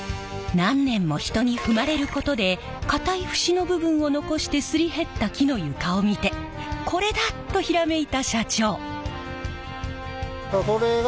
何年も人に踏まれることで固い節の部分を残してすり減った木の床を見て「これだ！」とひらめいた社長。